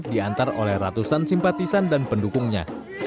diantar oleh ratusan simpatisan dan pendukungnya